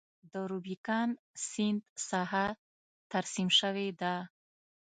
د روبیکان سیند ساحه ترسیم شوې ده.